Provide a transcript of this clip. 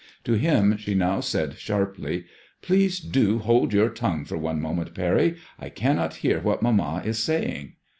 To him she now said sharply —Please do hold your tongue for one moment. Parry, I cannot hear what mamma is saying."